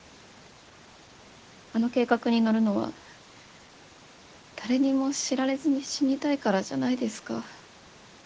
あの計画に乗るのは誰にも知られずに死にたいからじゃないですか？